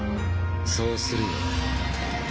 そうするよ。